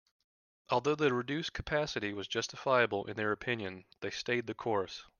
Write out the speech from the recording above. Although the reduced capacity was justifiable in their opinion, they stayed the course.